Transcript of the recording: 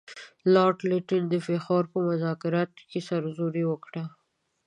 لارډ لیټن د پېښور په مذاکراتو کې سرزوري وکړه.